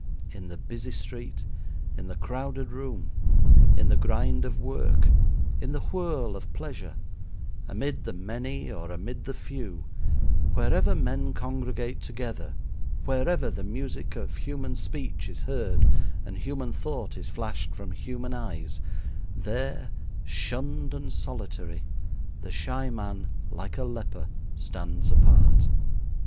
In the busy street, in the crowded room, in the grind of work, in the whirl of pleasure, amid the many or amid the few wherever men congregate together, wherever the music of human speech is heard and human thought is flashed from human eyes, there, shunned and solitary, the shy man, like a leper, stands apart.